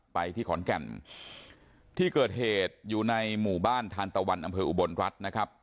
ไปที่ขอนแก่นที่เกิดเหตุอยู่ในหมู่บ้านทานตะวันอำเภออุบลรัฐนะครับ